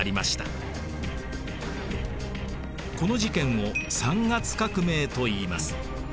この事件を三月革命といいます。